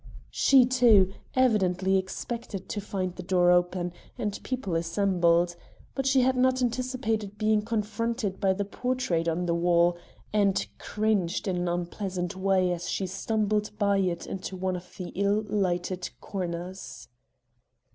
She, too, evidently expected to find the door open and people assembled, but she had not anticipated being confronted by the portrait on the wall, and cringed in an unpleasant way as she stumbled by it into one of the ill lighted corners.